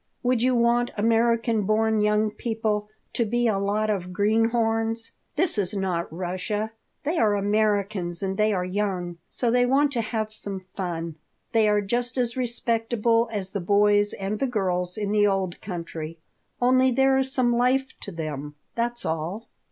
Would you want American born young people to be a lot of greenhorns? This is not Russia. They are Americans and they are young, so they want to have some fun. They are just as respectable as the boys and the girls in the old country. Only there is some life to them. That's all."